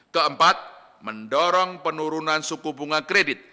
keempat mendorong penurunan suku bunga kredit